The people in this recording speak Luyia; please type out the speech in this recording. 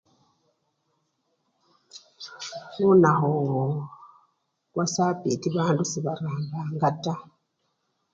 Lunakhu lwasapiti bandu sebarambanga taa.